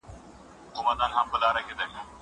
زه بايد خواړه ورکړم!؟